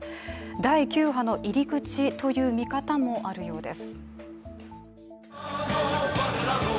第９波の入り口という見方もあるようです。